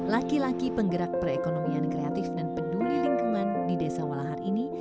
laki laki penggerak perekonomian kreatif dan peduli lingkungan di desa walahar ini